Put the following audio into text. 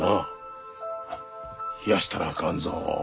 冷やしたらあかんぞ。